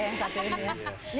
yang satu ini ya